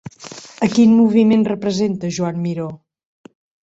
A quin moviment representa Joan Miró?